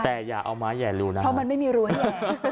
แต่อย่าเอาไม้แห่รูนะเพราะมันไม่มีรั้วแย่